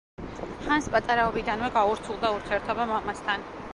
ჰანს პატარაობიდანვე გაურთულდა ურთიერთობა მამასთან.